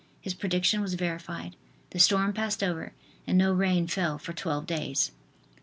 His prediction was verified; the storm passed over and no rain fell for twelve days.